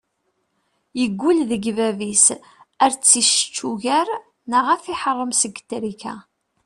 Yeggul deg bab-is ar ad t-issečč ugar neɣ ad t-iḥeṛṛem seg trika.